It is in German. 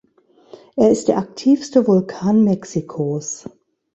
Er ist der aktivste Vulkan Mexikos.